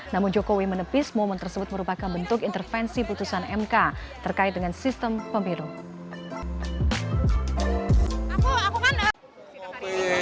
namun jokowi menepis momen tersebut merupakan bentuk intervensi putusan mk terkait dengan sistem pemilu